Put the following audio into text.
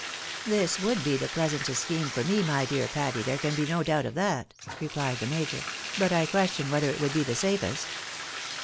" This would be the pleasantest scheme for me, my dear Patty, there can be no doubt of that," replied the major. " But I ques tion whether it would be the safest."